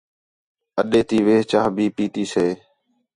اَڈے تی وِہ چاہ بھی پیتی سے